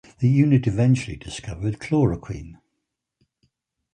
The unit eventually discovered chloroquine.